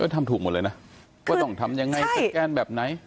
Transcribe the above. ทำถูกหมดเลยนะว่าต้องทำยังไงสแกนแบบไหน